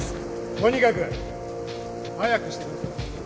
とにかく！早くしてください。